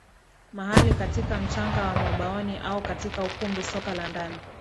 mahali katika mchanga wa mwabaoni au katika ukumbi soka la ndani